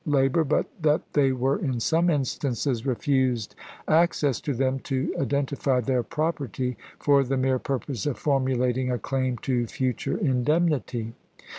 labor, but that they were in some instances refused access to them to identify their property for the mere purpose of formulating a claim to future indemnity.